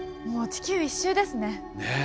もう地球一周ですね。